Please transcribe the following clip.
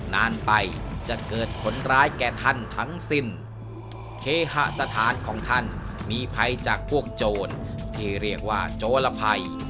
นานไปจะเกิดผลร้ายแก่ท่านทั้งสิ้นเคหสถานของท่านมีภัยจากพวกโจรที่เรียกว่าโจรภัย